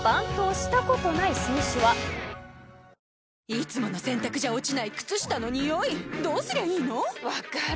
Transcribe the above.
いつもの洗たくじゃ落ちない靴下のニオイどうすりゃいいの⁉分かる。